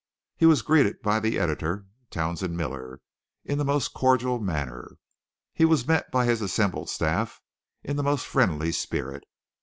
He was greeted by the editor, Townsend Miller, in the most cordial manner. He was met by his assembled staff in the most friendly spirit.